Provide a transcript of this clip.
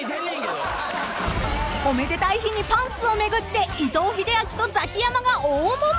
［おめでたい日にパンツをめぐって伊藤英明とザキヤマが大もめ］